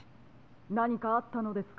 ・なにかあったのですか？